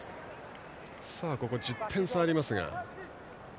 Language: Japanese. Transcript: ここ、１０点差ありますが。